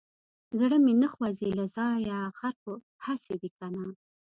زړه مې نه خوځي له ځايه غر خو هسې وي کنه.